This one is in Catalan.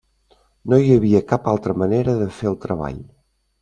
No hi havia cap altra manera de fer el treball!